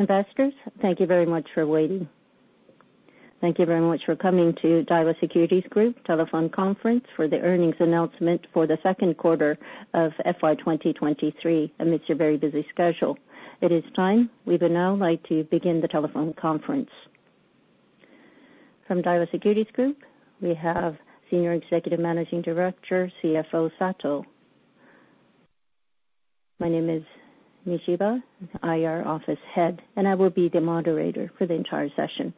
Investors, thank you very much for waiting. Thank you very much for coming to Daiwa Securities Group telephone conference for the earnings announcement for the second quarter of FY 2023, amidst your very busy schedule. It is time. We would now like to begin the telephone conference. From Daiwa Securities Group, we have Senior Executive Managing Director, CFO Sato. My name is Mishiba, the IR Office Head, and I will be the moderator for the entire session.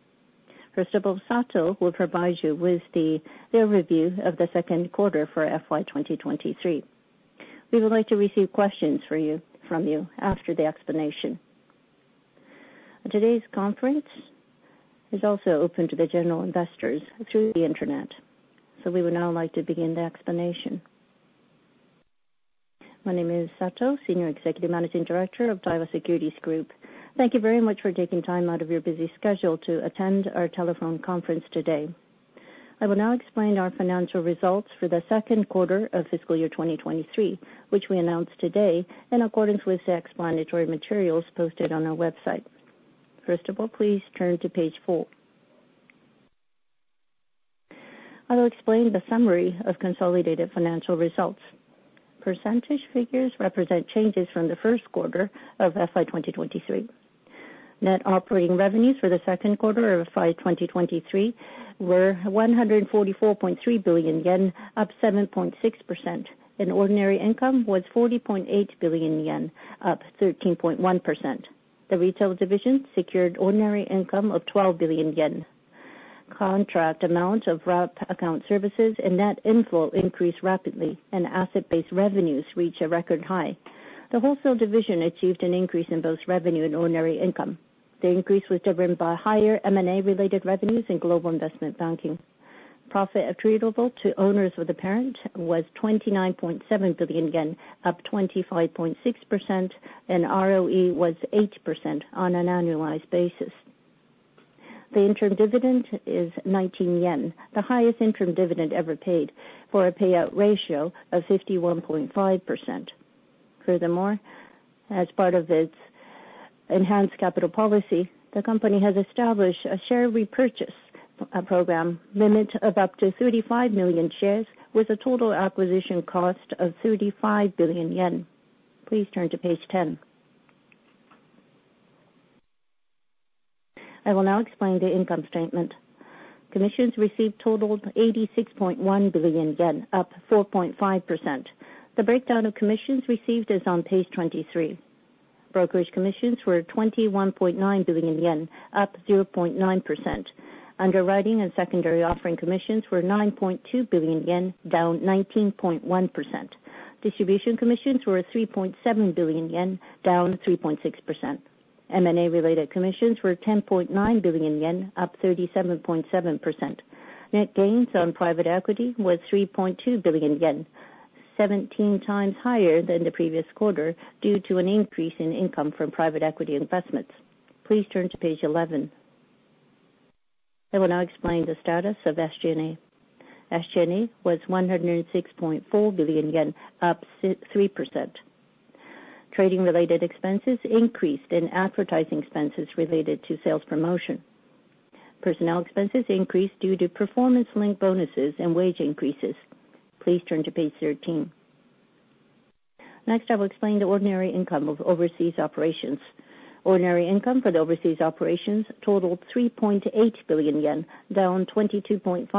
First of all, Sato will provide you with the review of the second quarter for FY 2023. We would like to receive questions from you after the explanation. Today's conference is also open to the general investors through the internet, so we would now like to begin the explanation. My name is Sato, Senior Executive Managing Director of Daiwa Securities Group. Thank you very much for taking time out of your busy schedule to attend our telephone conference today. I will now explain our financial results for the second quarter of fiscal year 2023, which we announced today, in accordance with the explanatory materials posted on our website. First of all, please turn to page four. I will explain the summary of consolidated financial results. Percentage figures represent changes from the first quarter of FY 2023. Net operating revenues for the second quarter of FY 2023 were 144.3 billion yen, up 7.6%, and ordinary income was 40.8 billion yen, up 13.1%. The retail division secured ordinary income of 12 billion yen. Contract amount of wrap account services and net inflow increased rapidly, and asset-based revenues reached a record high. The wholesale division achieved an increase in both revenue and ordinary income. The increase was driven by higher M&A-related revenues and global investment banking. Profit attributable to owners of the parent was 29.7 billion yen, up 25.6%, and ROE was 8% on an annualized basis. The interim dividend is 19 yen, the highest interim dividend ever paid, for a payout ratio of 51.5%. Furthermore, as part of its enhanced capital policy, the company has established a share repurchase program limit of up to 35 million shares, with a total acquisition cost of 35 billion yen. Please turn to page 10. I will now explain the income statement. Commissions received totaled 86.1 billion yen, up 4.5%. The breakdown of commissions received is on page 23. Brokerage commissions were 21.9 billion yen, up 0.9%. Underwriting and secondary offering commissions were 9.2 billion yen, down 19.1%. Distribution commissions were 3.7 billion yen, down 3.6%. M&A-related commissions were 10.9 billion yen, up 37.7%. Net gains on private equity was 3.2 billion yen, 17x higher than the previous quarter, due to an increase in income from private equity investments. Please turn to page 11. I will now explain the status of SG&A. SG&A was 106.4 billion yen, up 3%. Trading-related expenses increased in advertising expenses related to sales promotion. Personnel expenses increased due to performance-linked bonuses and wage increases. Please turn to page 13. Next, I will explain the ordinary income of overseas operations. Ordinary income for the overseas operations totaled 3.8 billion yen, down 22.5%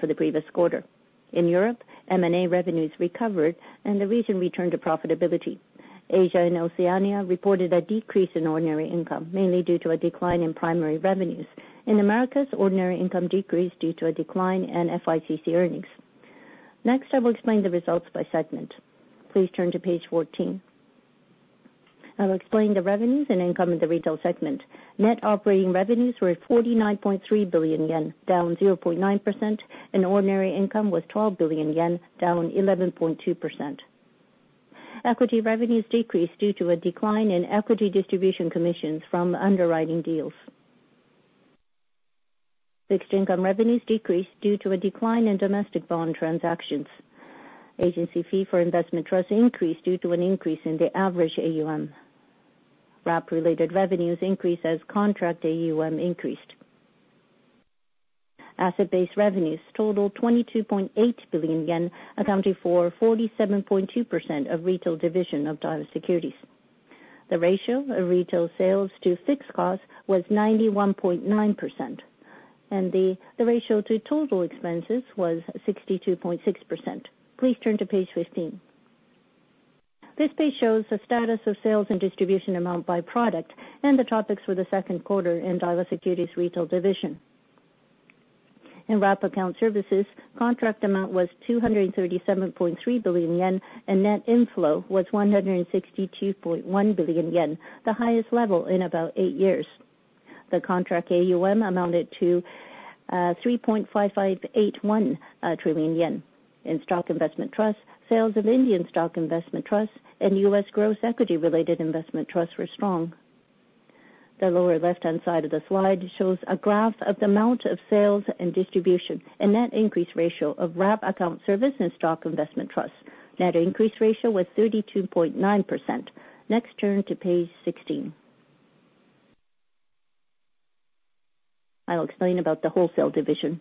for the previous quarter. In Europe, M&A revenues recovered, and the region returned to profitability. Asia and Oceania reported a decrease in ordinary income, mainly due to a decline in primary revenues. In Americas, ordinary income decreased due to a decline in FICC earnings. Next, I will explain the results by segment. Please turn to page 14. I'll explain the revenues and income in the retail segment. Net operating revenues were 49.3 billion yen, down 0.9%, and ordinary income was 12 billion yen, down 11.2%. Equity revenues decreased due to a decline in equity distribution commissions from underwriting deals. Fixed income revenues decreased due to a decline in domestic bond transactions. Agency fee for investment trust increased due to an increase in the average AUM. Wrap-related revenues increased as contract AUM increased. Asset-based revenues totaled 22.8 billion yen, accounting for 47.2% of retail division of Daiwa Securities. The ratio of retail sales to fixed costs was 91.9%, and the ratio to total expenses was 62.6%. Please turn to page 15. This page shows the status of sales and distribution amount by product and the topics for the second quarter in Daiwa Securities Retail Division. In wrap account services, contract amount was 237.3 billion yen, and net inflow was 162.1 billion yen, the highest level in about eight years. The contract AUM amounted to 3.5581 trillion yen. In stock investment trust, sales of Indian stock investment trusts and US growth equity-related investment trusts were strong. The lower left-hand side of the slide shows a graph of the amount of sales and distribution, and net increase ratio of wrap account service and stock investment trusts. Net increase ratio was 32.9%. Next, turn to page 16. I'll explain about the wholesale division.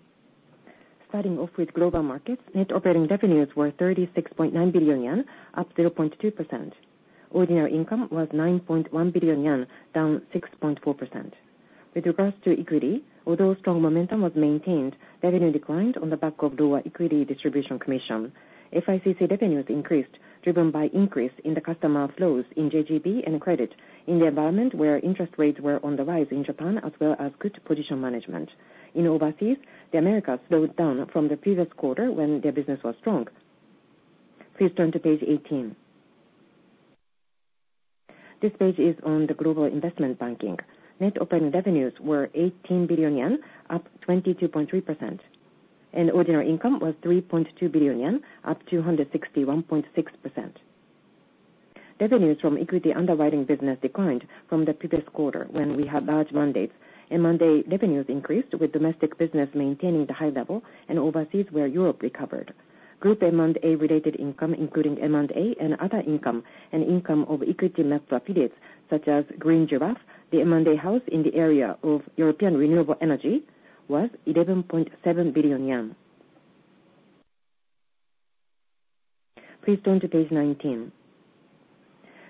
Starting off with global markets, net operating revenues were 36.9 billion yen, up 0.2%. Ordinary income was 9.1 billion yen, down 6.4%. With regards to equity, although strong momentum was maintained, revenue declined on the back of lower equity distribution commission. FICC revenues increased, driven by increase in the customer flows in JGB and credit in the environment where interest rates were on the rise in Japan, as well as good position management. In overseas, the Americas slowed down from the previous quarter when their business was strong. Please turn to page 18. This page is on the global investment banking. Net operating revenues were 18 billion yen, up 22.3%, and ordinary income was 3.2 billion yen, up 261.6%. Revenues from equity underwriting business declined from the previous quarter when we had large mandates, and M&A revenues increased, with domestic business maintaining the high level and overseas, where Europe recovered. Group M&A-related income, including M&A and other income, and income of equity methods affiliates, such as Green Giraffe, the M&A house in the area of European renewable energy, was 11.7 billion yen. Please turn to page 19.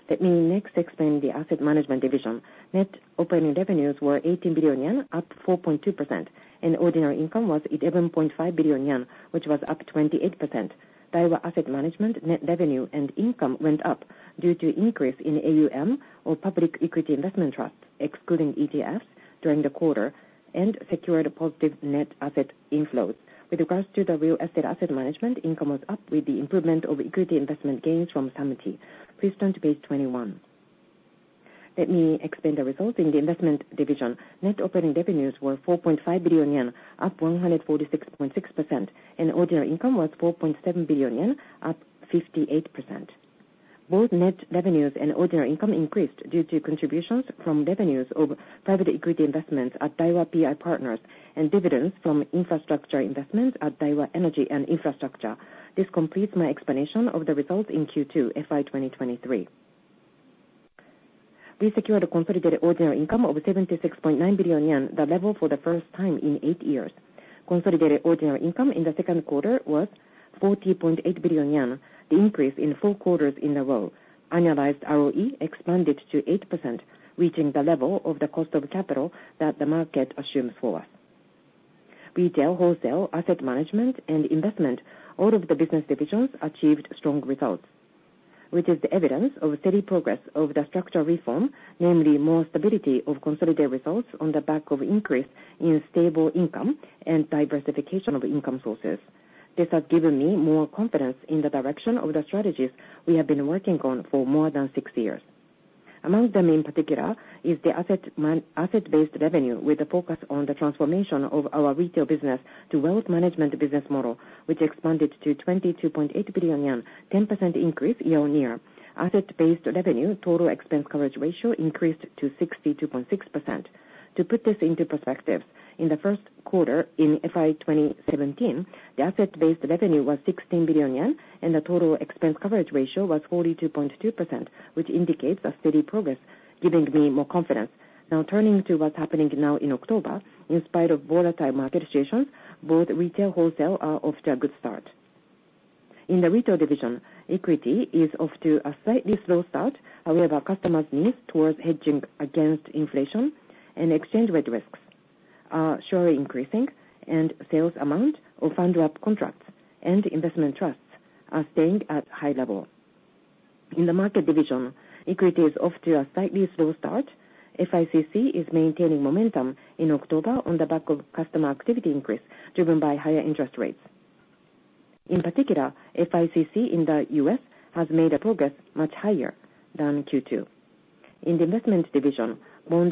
Let me next explain the asset management division. Net operating revenues were 18 billion yen, up 4.2%, and ordinary income was 11.5 billion yen, which was up 28%. Daiwa Asset Management net revenue and income went up due to increase in AUM or public equity investment trust, excluding ETFs, during the quarter and secured a positive net asset inflows. With regards to the real estate asset management, income was up with the improvement of equity investment gains from Samty. Please turn to page 21. Let me explain the results in the investment division. Net operating revenues were 4.5 billion yen, up 146.6%, and ordinary income was 4.7 billion yen, up 58%. Both net revenues and ordinary income increased due to contributions from revenues of private equity investments at Daiwa PI Partners and dividends from infrastructure investments at Daiwa Energy and Infrastructure. This completes my explanation of the results in Q2 FY 2023. We secured a consolidated ordinary income of 76.9 billion yen, the level for the first time in eight years. Consolidated ordinary income in the second quarter was 40.8 billion yen, the increase in four quarters in a row. Annualized ROE expanded to 8%, reaching the level of the cost of capital that the market assumes for us. Retail, wholesale, asset management, and investment, all of the business divisions achieved strong results, which is the evidence of steady progress of the structural reform, namely more stability of consolidated results on the back of increase in stable income and diversification of income sources. This has given me more confidence in the direction of the strategies we have been working on for more than six years. Among them, in particular, is the asset-based revenue, with a focus on the transformation of our retail business to wealth management business model, which expanded to 22.8 billion yen, 10% increase year-on-year. Asset-based revenue total expense coverage ratio increased to 62.6%. To put this into perspective, in the first quarter in FY 2017, the asset-based revenue was 16 billion yen, and the total expense coverage ratio was 42.2%, which indicates a steady progress, giving me more confidence. Now, turning to what's happening now in October, in spite of volatile market situations, both retail wholesale are off to a good start. In the retail division, equity is off to a slightly slow start. However, customers' needs towards hedging against inflation and exchange rate risks are surely increasing, and sales amount of Fund Wrap contracts and investment trusts are staying at high level. In the market division, equity is off to a slightly slow start. FICC is maintaining momentum in October on the back of customer activity increase, driven by higher interest rates. In particular, FICC in the U.S. has made a progress much higher than Q2. In the investment division, bond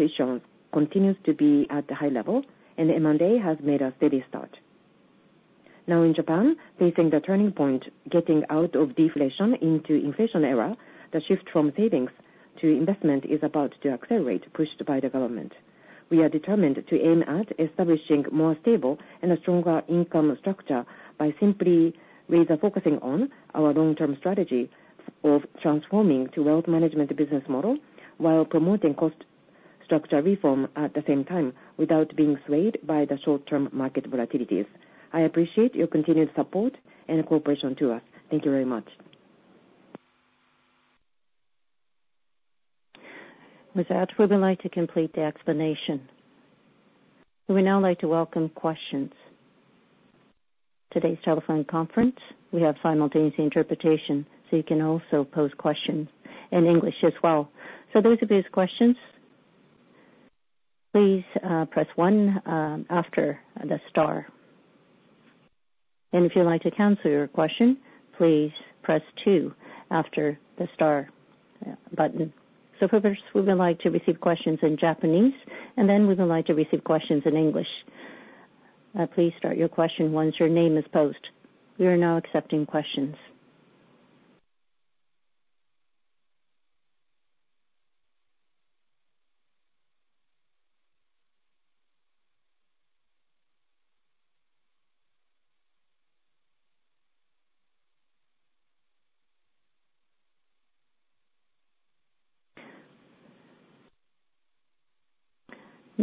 issues continues to be at the high level, and M&A has made a steady start. Now, in Japan, facing the turning point, getting out of deflation into inflation era, the shift from savings to investment is about to accelerate, pushed by the government. We are determined to aim at establishing more stable and a stronger income structure by simply rather focusing on our long-term strategy of transforming to wealth management business model, while promoting cost structure reform at the same time, without being swayed by the short-term market volatilities. I appreciate your continued support and cooperation to us. Thank you very much. With that, we would like to complete the explanation. We would now like to welcome questions. Today's telephone conference, we have simultaneous interpretation, so you can also pose questions in English as well. So those with these questions, please, press one, after the star. And if you'd like to cancel your question, please press two after the star, button. So first, we would like to receive questions in Japanese, and then we would like to receive questions in English. Please start your question once your name is posed. We are now accepting questions.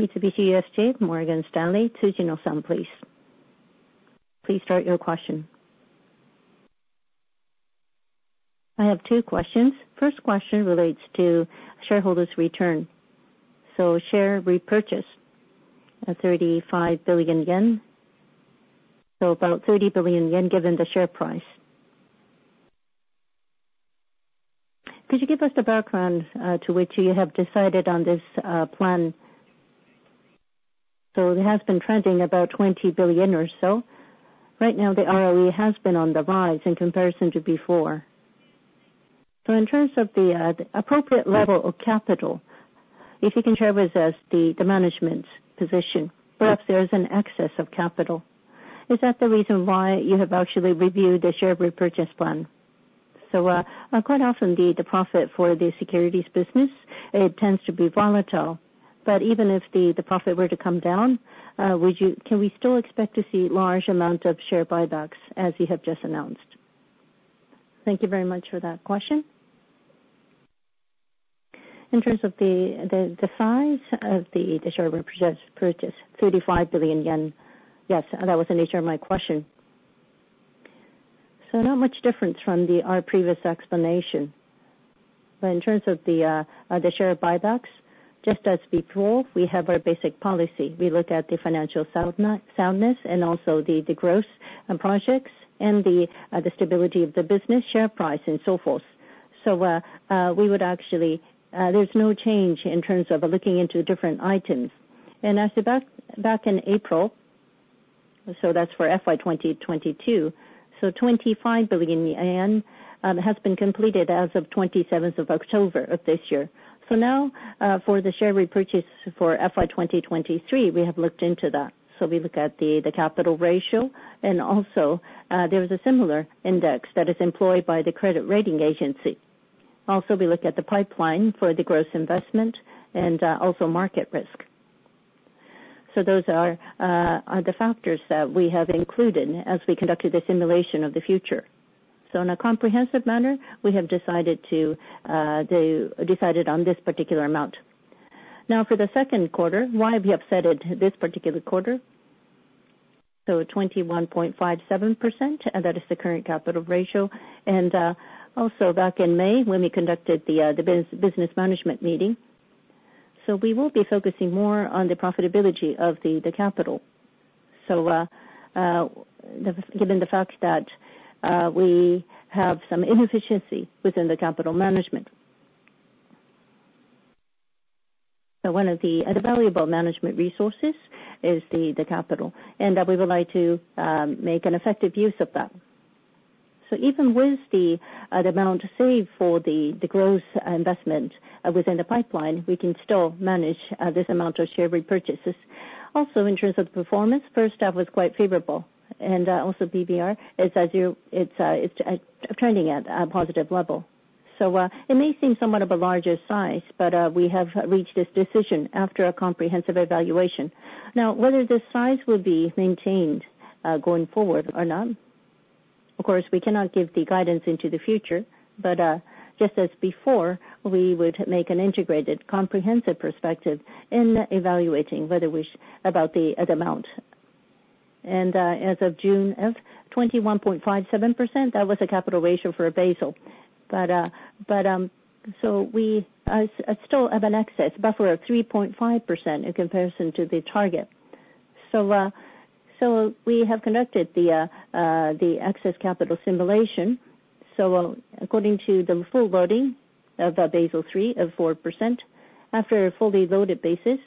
Mitsubishi UFJ Morgan Stanley, Tsujino-san, please. Please start your question. I have two questions. First question relates to shareholders' return. So share repurchase, at 35 billion yen, so about 30 billion yen, given the share price. Could you give us the background, to which you have decided on this, plan? So it has been trending about 20 billion or so. Right now, the ROE has been on the rise in comparison to before. In terms of the appropriate level of capital, if you can share with us the management's position, perhaps there is an excess of capital. Is that the reason why you have actually reviewed the share repurchase plan? Quite often the profit for the securities business tends to be volatile. But even if the profit were to come down, can we still expect to see a large amount of share buybacks, as you have just announced? Thank you very much for that question. In terms of the size of the share repurchase, 35 billion yen. Yes, that was the nature of my question. So not much difference from our previous explanation. But in terms of the share buybacks, just as before, we have our basic policy. We look at the financial soundness and also the growth and projects and the stability of the business, share price, and so forth. So we would actually, there's no change in terms of looking into different items. And back in April, so that's for FY 2022, so 25 billion yen has been completed as of the 27 October, 2024. So now, for the share repurchase for FY 2023, we have looked into that. So we look at the capital ratio, and also there is a similar index that is employed by the credit rating agency. Also, we look at the pipeline for the growth investment and also market risk. So those are the factors that we have included as we conducted the simulation of the future. So in a comprehensive manner, we have decided on this particular amount. Now, for the second quarter, why have you set it this particular quarter? So 21.57%, that is the current capital ratio, and also back in May, when we conducted the business management meeting. So we will be focusing more on the profitability of the capital. So, given the fact that we have some inefficiency within the capital management. So one of the valuable management resources is the capital, and we would like to make an effective use of that. So even with the, the amount saved for the, the growth investment within the pipeline, we can still manage, this amount of share repurchases. Also, in terms of performance, first half was quite favorable, and, also PBR is as you, it's, it's, trending at a positive level. So, it may seem somewhat of a larger size, but, we have reached this decision after a comprehensive evaluation. Now, whether this size will be maintained, going forward or not, of course, we cannot give the guidance into the future, but, just as before, we would make an integrated, comprehensive perspective in evaluating whether we, about the, the amount. And, as of June, as 21.57%, that was a capital ratio for Basel. We still have an excess buffer of 3.5% in comparison to the target. So we have conducted the excess capital simulation. So according to the full loading of Basel III of 4%, after a fully loaded basis,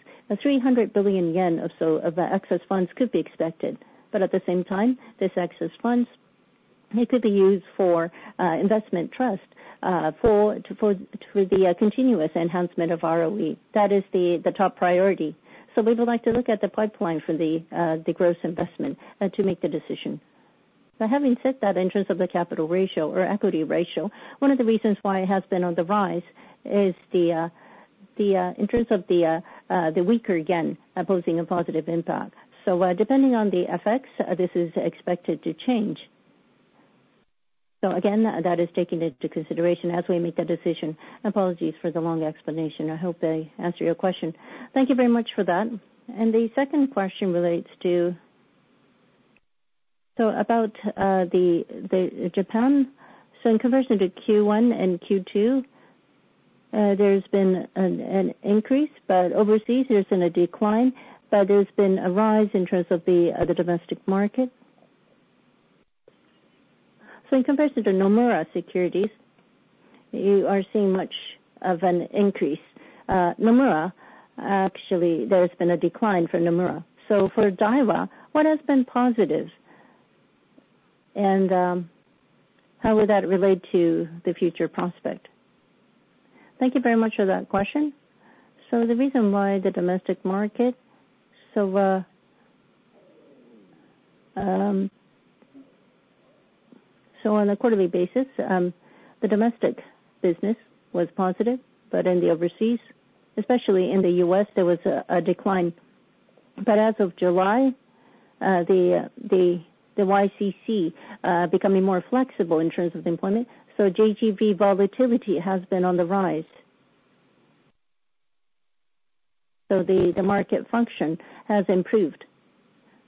300 billion yen or so of excess funds could be expected. But at the same time, this excess funds could be used for investment trust for the continuous enhancement of ROE. That is the top priority. So we would like to look at the pipeline for the growth investment to make the decision. But having said that, in terms of the capital ratio or equity ratio, one of the reasons why it has been on the rise is the, in terms of the, the weaker yen imposing a positive impact. So, depending on the effects, this is expected to change. So again, that is taken into consideration as we make a decision. Apologies for the long explanation. I hope I answered your question. Thank you very much for that. And the second question relates to, so about, the, the Japan. So in comparison to Q1 and Q2, there's been an increase, but overseas, there's been a decline, but there's been a rise in terms of the, the domestic market. So in comparison to Nomura Securities, you are seeing much of an increase. Nomura, actually, there's been a decline for Nomura. So for Daiwa, what has been positive? And, how would that relate to the future prospect? Thank you very much for that question. So the reason why the domestic market. So on a quarterly basis, the domestic business was positive, but in the overseas, especially in the U.S., there was a decline. But as of July, the YCC becoming more flexible in terms of the employment, so JGB volatility has been on the rise. So the market function has improved.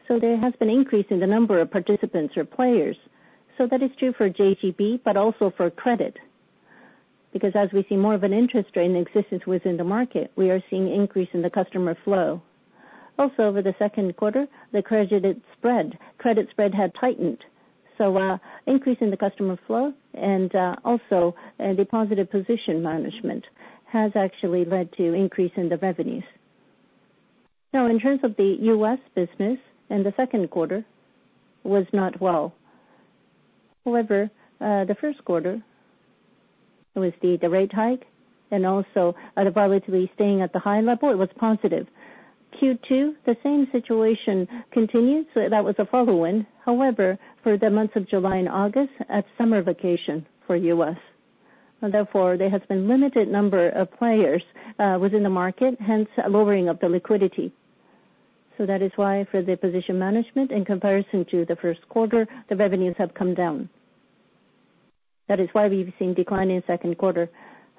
So there has been increase in the number of participants or players. So that is true for JGB, but also for credit, because as we see more of an interest rate in existence within the market, we are seeing increase in the customer flow. Also, over the second quarter, the credit spread had tightened. So, increase in the customer flow and, also, and the positive position management has actually led to increase in the revenues. Now, in terms of the U.S. business, in the second quarter was not well. However, the first quarter was the rate hike, and also, the volatility staying at the high level, it was positive. Q2, the same situation continued, so that was a tailwind. However, for the months of July and August, a summer vacation for U.S., and therefore there has been limited number of players, within the market, hence a lowering of the liquidity. So that is why, for the position management, in comparison to the first quarter, the revenues have come down. That is why we've seen decline in second quarter.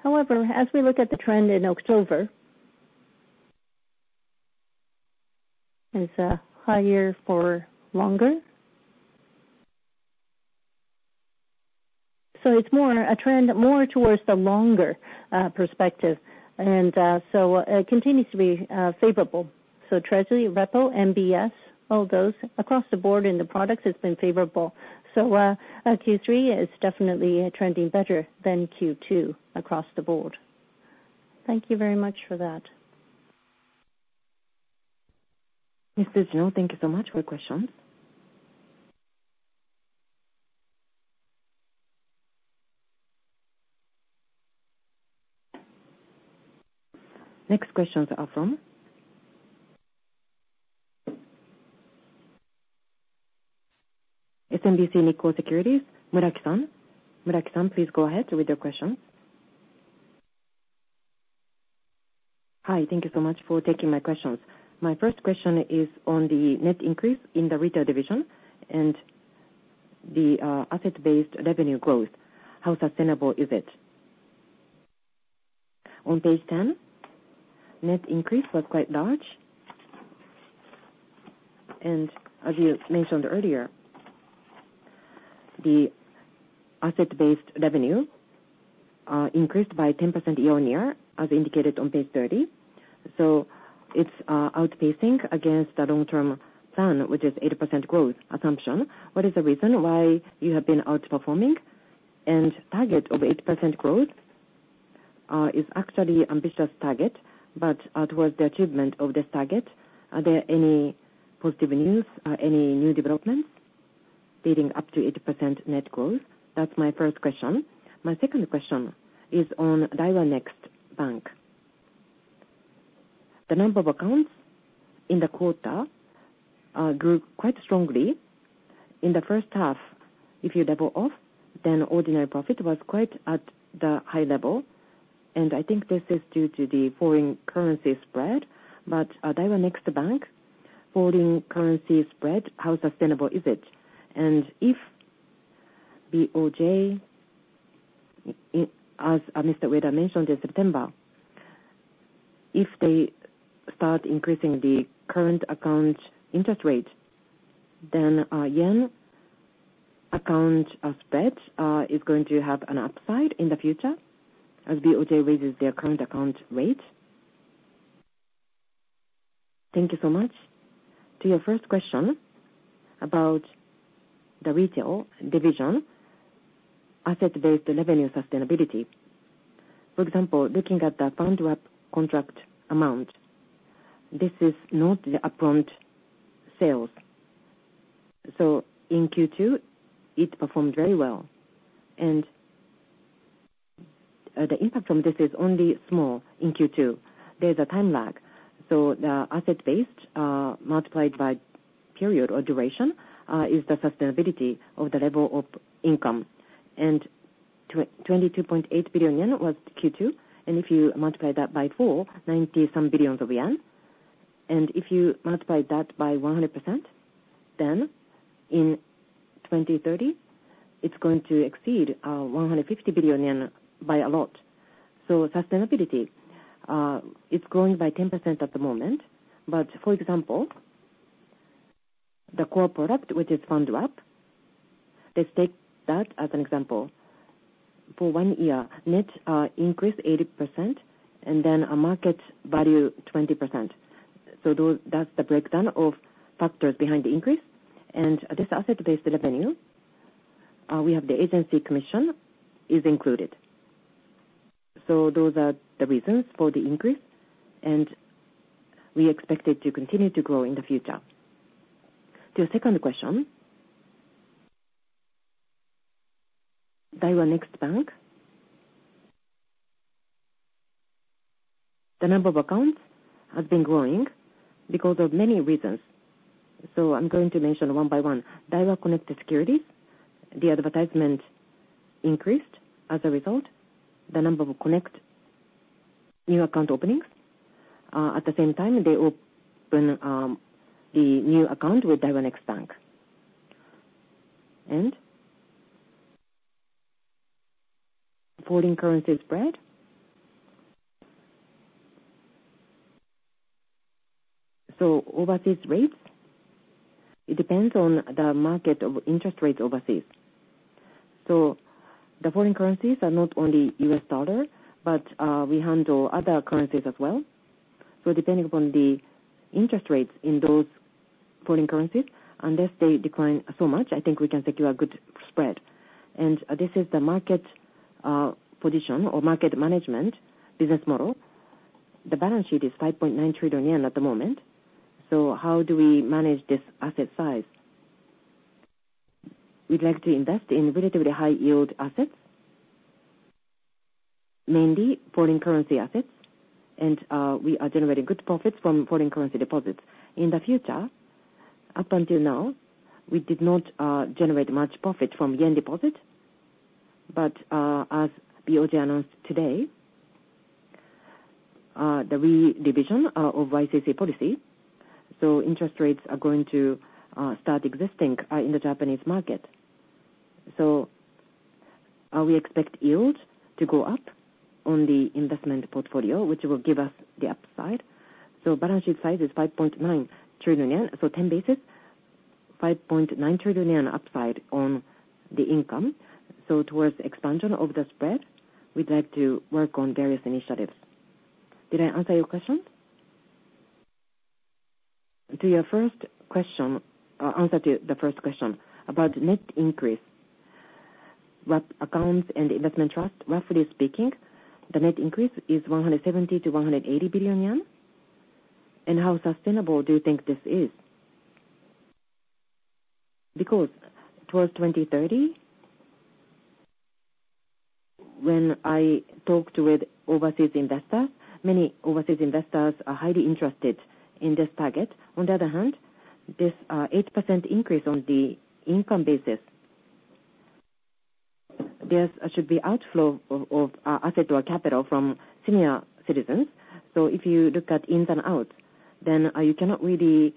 However, as we look at the trend in October, it's, higher for longer. So it's more a trend, more towards the longer perspective, and so it continues to be favorable. So Treasury, repo, MBS, all those across the board in the products has been favorable. So Q3 is definitely trending better than Q2 across the board. Thank you very much for that. Mr. Tsujino, thank you so much for your questions. Next questions are from SMBC Nikko Securities, Muraki-san. Muraki-san, please go ahead with your questions. Hi, thank you so much for taking my questions. My first question is on the net increase in the retail division and the asset-based revenue growth. How sustainable is it? On page 10, net increase was quite large, and as you mentioned earlier, the asset-based revenue increased by 10% year-on-year, as indicated on page 30. So it's outpacing against the long-term plan, which is 8% growth assumption. What is the reason why you have been outperforming? And target of 8% growth is actually ambitious target, but towards the achievement of this target, are there any positive news, any new developments leading up to 8% net growth? That's my first question. My second question is on Daiwa Next Bank. The number of accounts in the quarter grew quite strongly. In the first half, if you double off, then ordinary profit was quite at the high level, and I think this is due to the foreign currency spread. But, Daiwa Next Bank foreign currency spread, how sustainable is it? And if BOJ, as Mr. Ueda mentioned in September, if they start increasing the current account interest rate, then, yen account of spread, is going to have an upside in the future as BOJ raises their current account rate? Thank you so much. To your first question about the retail division, asset-based revenue sustainability. For example, looking at the Fund Wrap contract amount, this is not the upfront sales. So in Q2, it performed very well. And, the impact from this is only small in Q2. There's a time lag, so the asset-based, multiplied by period or duration, is the sustainability of the level of income. And 22.8 billion yen was Q2, and if you multiply that by 4%, 90-some billion yen. And if you multiply that by 100%, then in 2030, it's going to exceed 150 billion yen by a lot. So sustainability, it's growing by 10% at the moment, but for example, the core product, which is Fund Wrap, let's take that as an example. For one year, net, increased 80%, and then a market value, 20%. So that's the breakdown of factors behind the increase. And this asset-based revenue, we have the agency commission, is included. So those are the reasons for the increase, and we expect it to continue to grow in the future. To your second question, Daiwa Next Bank? The number of accounts has been growing because of many reasons. So I'm going to mention one by one. Daiwa Connect Securities, the advertisement increased. As a result, the number of Connect new account openings, at the same time, they open, the new account with Daiwa Next Bank. And foreign currency spread. So overseas rates, it depends on the market of interest rates overseas. So the foreign currencies are not only U.S. dollar, but, we handle other currencies as well. So depending upon the interest rates in those foreign currencies, unless they decline so much, I think we can secure a good spread. And, this is the market, position or market management business model. The balance sheet is 5.9 trillion yen at the moment, so how do we manage this asset size? We'd like to invest in relatively high yield assets, mainly foreign currency assets, and we are generating good profits from foreign currency deposits. In the future, up until now, we did not generate much profit from yen deposit, but as BOJ announced today, the revision of YCC policy, so interest rates are going to start existing in the Japanese market. So we expect yield to go up on the investment portfolio, which will give us the upside. So balance sheet size is 5.9 trillion yen, so 10 basis points, 5.9 trillion yen upside on the income. So towards expansion of the spread, we'd like to work on various initiatives. Did I answer your question? To your first question, answer to the first question about net increase, wrap accounts and investment trust, roughly speaking, the net increase is 170 billion-180 billion yen. And how sustainable do you think this is? Because towards 2030, when I talked with overseas investors, many overseas investors are highly interested in this target. On the other hand, this, 8% increase on the income basis, there's, should be outflow of, of, asset or capital from senior citizens. So if you look at ins and outs, then, you cannot really,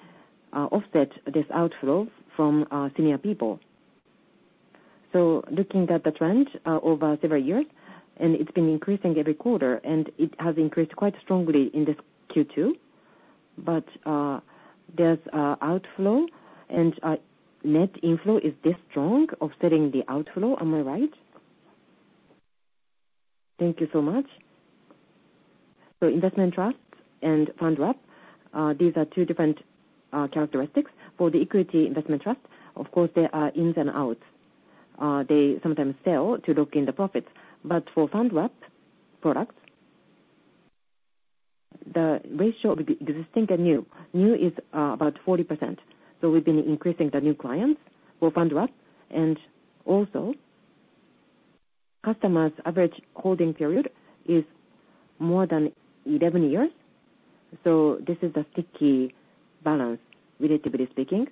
offset this outflow from, senior people. So looking at the trend, over several years, and it's been increasing every quarter, and it has increased quite strongly in this Q2. But, there's a outflow and, net inflow is this strong, offsetting the outflow, am I right? Thank you so much. So investment trusts and Fund Wrap, these are two different characteristics. For the equity investment trust, of course, there are ins and outs. They sometimes sell to lock in the profits. But for Fund Wrap products, the ratio of existing and new, new is about 40%. So we've been increasing the new clients for Fund Wrap, and also, customers' average holding period is more than 11 years. So this is the sticky balance, relatively speaking,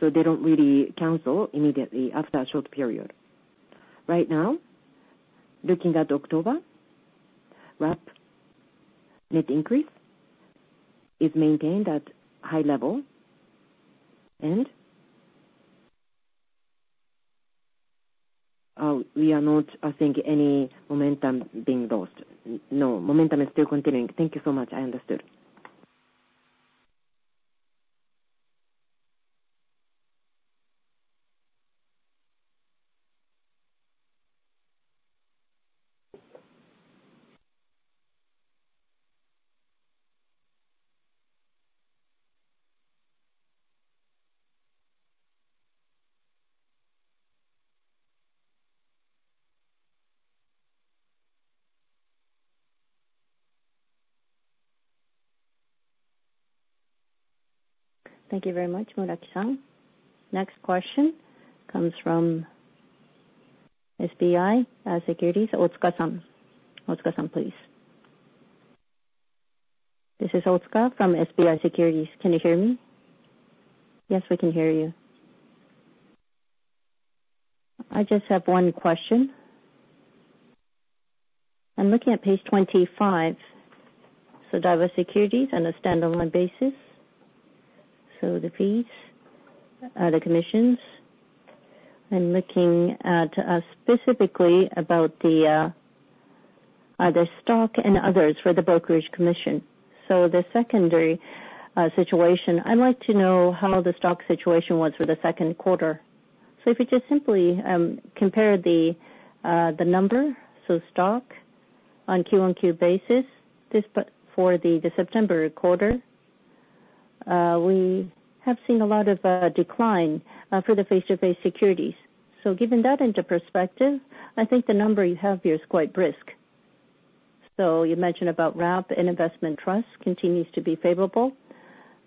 so they don't really cancel immediately after a short period. Right now, looking at October, wrap net increase is maintained at high level, and we are not, I think, any momentum being lost. No, momentum is still continuing. Thank you so much. I understood. Thank you very much, Muraki-san. Next question comes from SBI Securities, Otsuka-san. Otsuka-san, please. This is Otsuka from SBI Securities. Can you hear me? Yes, we can hear you. I just have one question. I'm looking at page 25, so Daiwa Securities on a standalone basis. So the fees, the commissions, I'm looking at, specifically about the stock and others for the brokerage commission. So the secondary situation, I'd like to know how the stock situation was for the second quarter. So if you just simply compare the number, so stock on QoQ basis, this but for the September quarter, we have seen a lot of decline for the face-to-face securities. So given that into perspective, I think the number you have here is quite brisk. So you mentioned about wrap and investment trust continues to be favorable,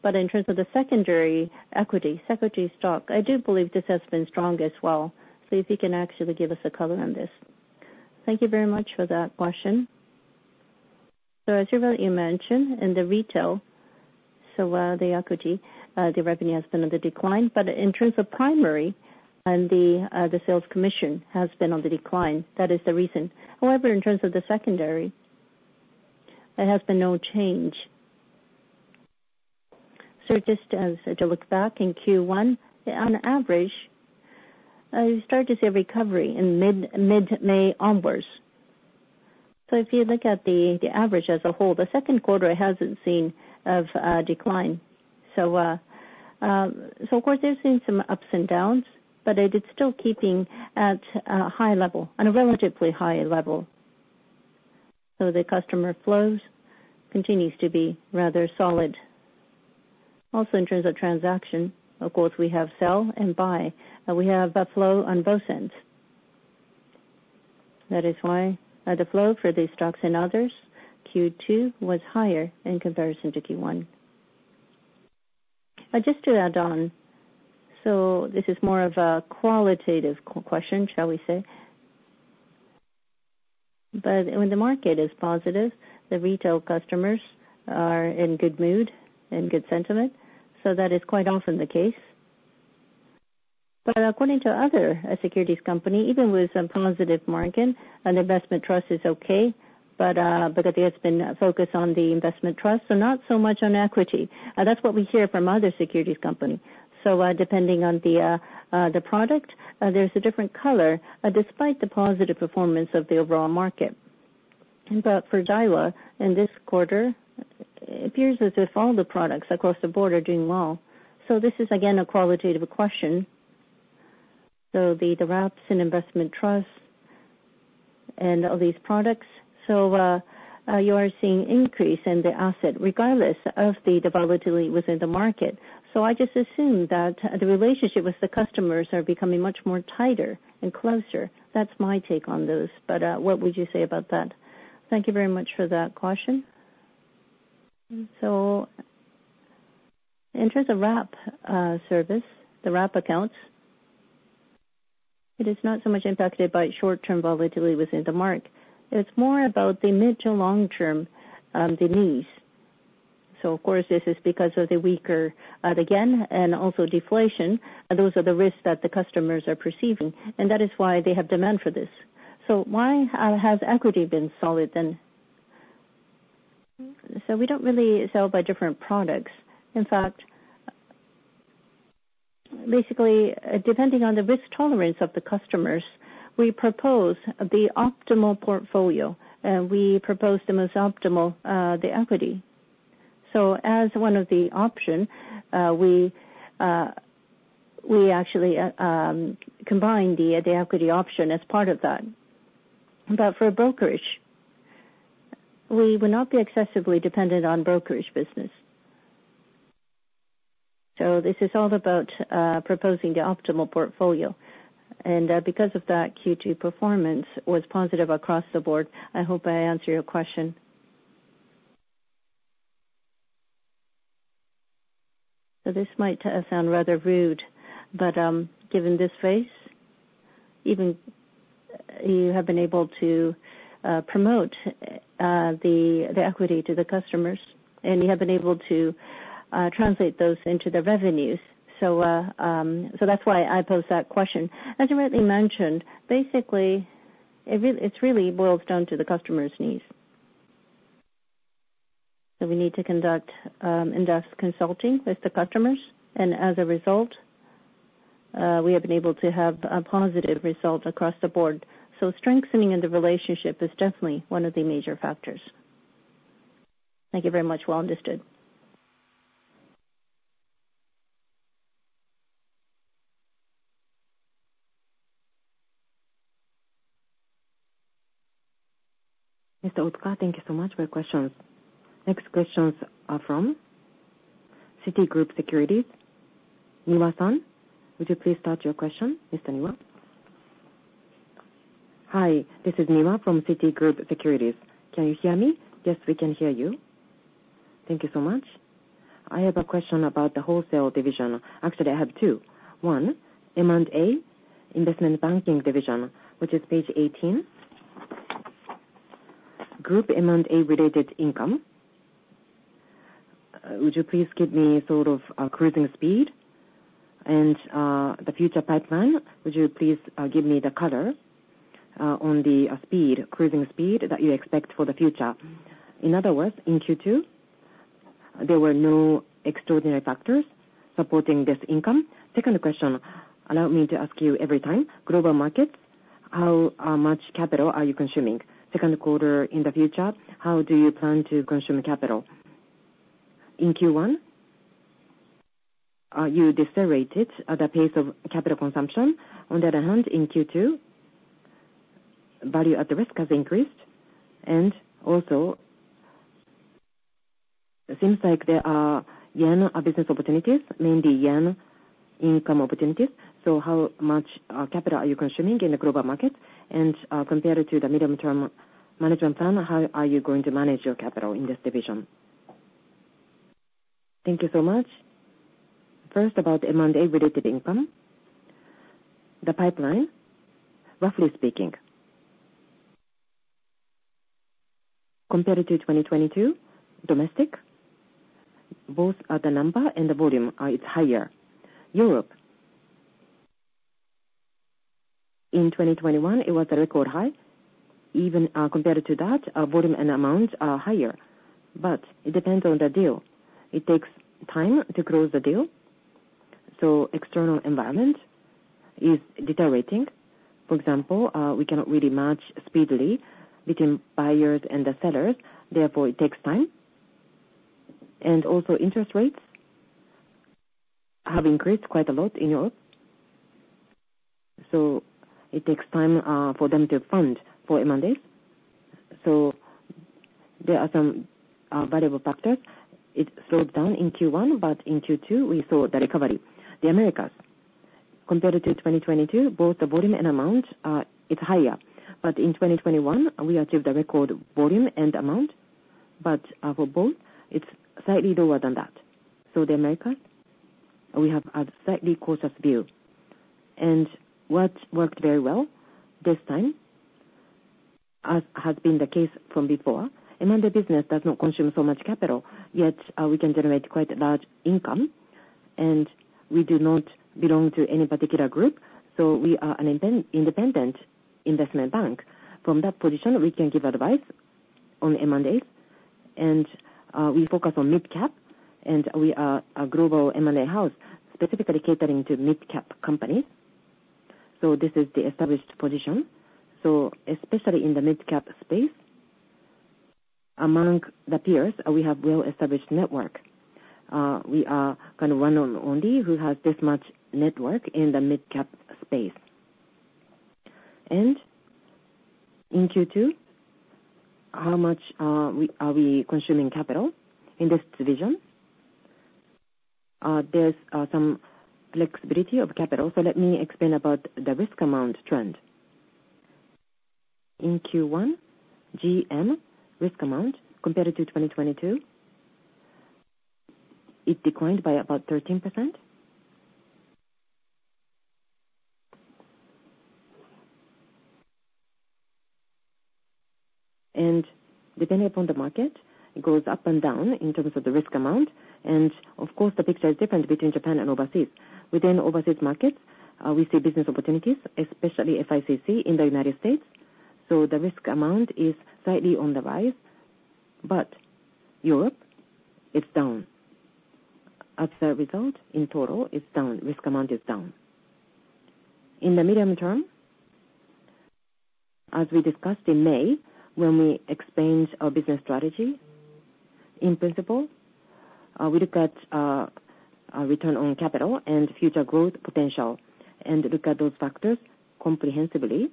but in terms of the secondary equity, security stock, I do believe this has been strong as well. So if you can actually give us a color on this. Thank you very much for that question. So as you, well, you mentioned, in the retail, so, the equity, the revenue has been on the decline, but in terms of primary and the, the sales commission has been on the decline, that is the reason. However, in terms of the secondary, there has been no change. So just as to look back in Q1, on average, I start to see a recovery in mid-May onwards. So if you look at the, the average as a whole, the second quarter hasn't seen of, decline. So, of course, there's been some ups and downs, but it is still keeping at a high level, on a relatively high level. So the customer flows continues to be rather solid. Also, in terms of transaction, of course, we have sell and buy, and we have a flow on both ends. That is why, the flow for these stocks and others, Q2 was higher in comparison to Q1. Just to add on, so this is more of a qualitative question, shall we say? But when the market is positive, the retail customers are in good mood and good sentiment, so that is quite often the case. But according to other, securities company, even with a positive margin, an investment trust is okay, but, but there has been a focus on the investment trust, so not so much on equity. That's what we hear from other securities company. So, depending on the product, there's a different color despite the positive performance of the overall market. But for Daiwa, in this quarter, it appears as if all the products across the board are doing well. So this is again a qualitative question. So the wraps and investment trusts and all these products, you are seeing increase in the asset regardless of the volatility within the market. So I just assume that the relationship with the customers are becoming much more tighter and closer. That's my take on those, but what would you say about that? Thank you very much for that question. So in terms of wrap service, the wrap accounts, it is not so much impacted by short-term volatility within the market. It's more about the mid to long-term, the needs. So of course, this is because of the weaker, again, and also deflation. Those are the risks that the customers are perceiving, and that is why they have demand for this. So why has equity been solid then? So we don't really sell by different products. In fact, basically, depending on the risk tolerance of the customers, we propose the optimal portfolio, and we propose the most optimal, the equity. So as one of the option, we actually combine the equity option as part of that. But for brokerage, we will not be excessively dependent on brokerage business. So this is all about proposing the optimal portfolio, and because of that, Q2 performance was positive across the board. I hope I answered your question. So this might sound rather rude, but given this phase, even you have been able to promote the equity to the customers, and you have been able to translate those into the revenues. So that's why I posed that question. As you rightly mentioned, basically, it really boils down to the customer's needs. So we need to conduct in-depth consulting with the customers, and as a result, we have been able to have a positive result across the board. So strengthening of the relationship is definitely one of the major factors. Thank you very much. Well understood. Mr. Otsuka, thank you so much for your questions. Next questions are from Citigroup Securities. Niwa-san, would you please start your question, Mr. Niwa? Hi, this is Niwa from Citigroup Securities. Can you hear me? Yes, we can hear you. Thank you so much. I have a question about the wholesale division. Actually, I have two. One, M&A, investment banking division, which is page 18. Group M&A related income, would you please give me sort of a cruising speed? And, the future pipeline, would you please, give me the color, on the, speed, cruising speed that you expect for the future? In other words, in Q2, there were no extraordinary factors supporting this income. Second question, allow me to ask you every time, global markets, how, much capital are you consuming? Second quarter in the future, how do you plan to consume capital? In Q1, you decelerated at the pace of capital consumption. On the other hand, in Q2, value at risk has increased, and also, it seems like there are yen business opportunities, mainly yen income opportunities. So how much capital are you consuming in the global market? And, compared to the medium-term management plan, how are you going to manage your capital in this division? Thank you so much. First, about M&A-related income, the pipeline, roughly speaking, compared to 2022, domestic, both the number and the volume is higher. Europe, in 2021, it was a record high. Even compared to that, our volume and amounts are higher, but it depends on the deal. It takes time to close the deal, so external environment is deteriorating. For example, we cannot really match speedily between buyers and the sellers, therefore, it takes time. Also interest rates have increased quite a lot in Europe, so it takes time for them to fund for M&As. There are some variable factors. It slowed down in Q1, but in Q2, we saw the recovery. The Americas, compared to 2022, both the volume and amount is higher. In 2021, we achieved a record volume and amount, but for both, it's slightly lower than that. The Americas, we have a slightly cautious view. What worked very well this time, as has been the case from before, M&A business does not consume so much capital, yet we can generate quite a large income, and we do not belong to any particular group, so we are an independent investment bank. From that position, we can give advice on M&A, and, we focus on midcap, and we are a global M&A house, specifically catering to midcap companies. So this is the established position. So especially in the midcap space, among the peers, we have well-established network. We are kind of one of only who has this much network in the midcap space. And in Q2, how much, we, are we consuming capital in this division? There's some flexibility of capital, so let me explain about the risk amount trend. In Q1, GM risk amount, compared to 2022, it declined by about 13%. And depending upon the market, it goes up and down in terms of the risk amount, and of course, the picture is different between Japan and overseas. Within overseas market, we see business opportunities, especially FICC in the United States, so the risk amount is slightly on the rise. But Europe, it's down. As a result, in total, it's down, risk amount is down. In the medium term, as we discussed in May, when we explained our business strategy, in principle, we look at, return on capital and future growth potential and look at those factors comprehensively.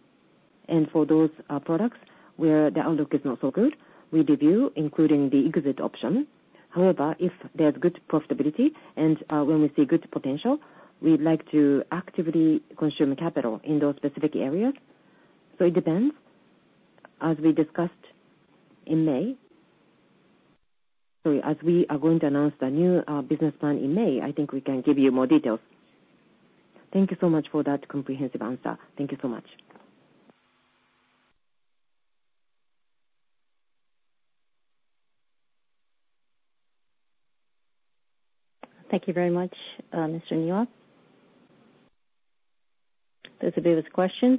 And for those products where the outlook is not so good, we review, including the exit option. However, if there's good profitability and when we see good potential, we'd like to actively consume capital in those specific areas. So it depends, as we discussed in May. Sorry, as we are going to announce the new business plan in May, I think we can give you more details. Thank you so much for that comprehensive answer. Thank you so much. Thank you very much, Mr. Niwa. Those are the questions,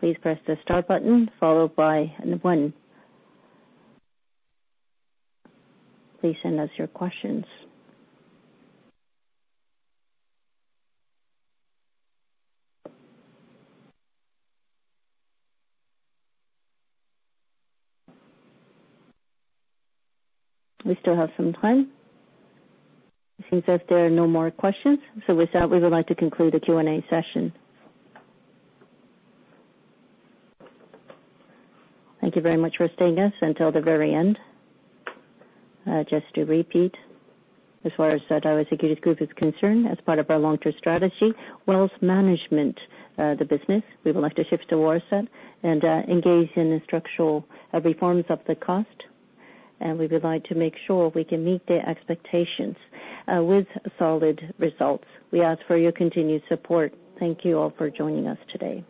please press the star button, followed by one. Please send us your questions. We still have some time. It seems as there are no more questions, so with that, we would like to conclude the Q&A session. Thank you very much for staying with us until the very end. Just to repeat, as far as the Daiwa Securities Group is concerned, as part of our long-term strategy, wealth management, the business, we would like to shift towards that and, engage in the structural, reforms of the cost, and we would like to make sure we can meet the expectations, with solid results. We ask for your continued support. Thank you all for joining us today.